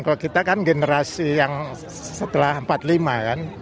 kalau kita kan generasi yang setelah empat puluh lima kan